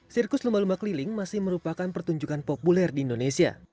sirkus lumba lumba keliling masih merupakan pertunjukan populer di indonesia